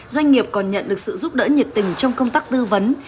doanh nghiệp còn nhận được sự giúp đỡ nhiệt tình trong công tác tư vấn